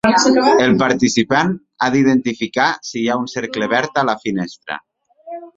El participant ha d'identificar si hi ha un cercle verd a la finestra.